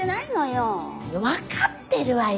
分かってるわよ。